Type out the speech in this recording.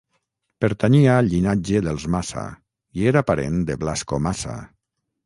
Pertanyia al llinatge dels Maça i era parent de Blasco Maça.